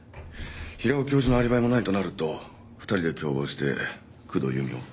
平尾教授のアリバイもないとなると２人で共謀して工藤由美を。